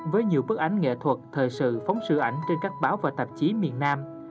với nhiều bức ảnh nghệ thuật thời sự phóng sự ảnh trên các báo và tạp chí miền nam